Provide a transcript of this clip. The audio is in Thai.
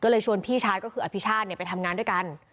ก็เลยชวนพี่ชายก็คืออภิชาติไปทำงานด้วยกัน